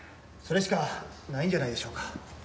それしかないんじゃないでしょうか。